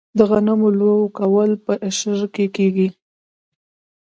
د غنمو لو کول په اشر کیږي.